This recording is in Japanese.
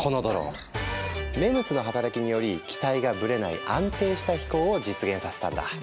ＭＥＭＳの働きにより機体がブレない安定した飛行を実現させたんだ。